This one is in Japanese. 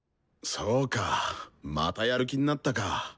そうかまたやる気になったか。